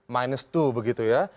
minus dua begitu ya